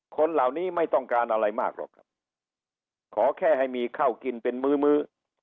คนเหล่านี้ไม่ต้องการอะไรมากหรอกครับขอแค่ให้มีข้าวกินเป็นมื้อมื้อ